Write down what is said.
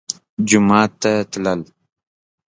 جومات ته تلل